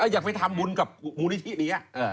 อยากไปทำบุญกับบูญที่นี้